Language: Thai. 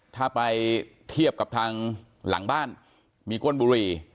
ถ้าไปเทียบกับทางหลังบ้านมีก้นบุหรี่